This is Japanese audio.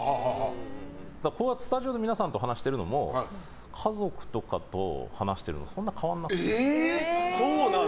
このスタジオの皆さんと話しているのも家族とかと話してるのとそんなに変わらなくて。